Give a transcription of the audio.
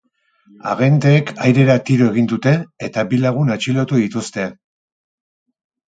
Agenteek airera tiro egin dute eta bi lagun atxilotu dituzte.